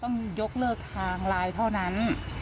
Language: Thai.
ต้องยกเลิกทางไลน์เท่านั้น